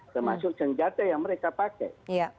termasuk senjata yang mereka pakai